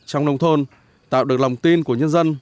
trong nông thôn tạo được lòng tin của nhân dân